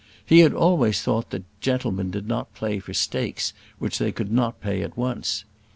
He had always thought that gentlemen did not play for stakes which they could not pay at once.